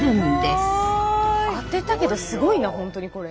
当てたけどすごいな本当にこれ。